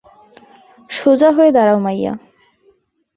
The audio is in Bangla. সোজা হয়ে দারাও, মাইয়া!